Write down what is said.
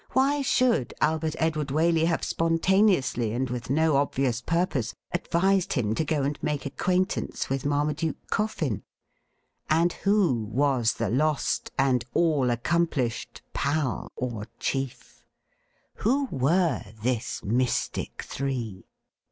Why should Albert Edward Waley have spontaneously, and with no obvious purpose, advised him to go and make acquaintance with Marmaduke Coffin ? And who was the lost and all accomplished ' pal ' or chief .'' "V^Tio were this Mystic Three